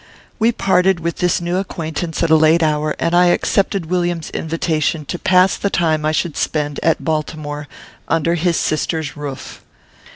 We parted with this new acquaintance at a late hour, and I accepted Williams's invitation to pass the time I should spend at Baltimore, under his sister's roof.